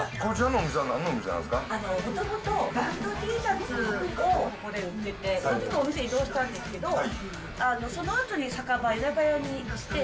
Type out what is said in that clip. もともとバンドＴシャツをここで売ってて、お店移動したんですけど、そのあとに酒場、居酒屋にして。